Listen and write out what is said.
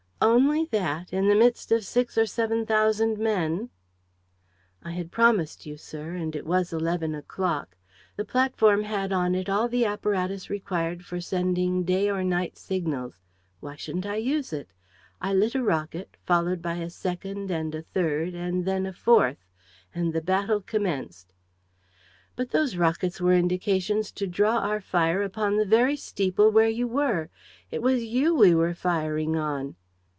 "Only that! In the midst of six or seven thousand men!" "I had promised you, sir, and it was eleven o'clock. The platform had on it all the apparatus required for sending day or night signals. Why shouldn't I use it? I lit a rocket, followed by a second and a third and then a fourth; and the battle commenced." "But those rockets were indications to draw our fire upon the very steeple where you were! It was you we were firing on!"